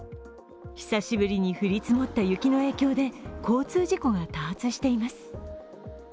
久しぶりに降り積もった雪の影響で交通事故が多発しています。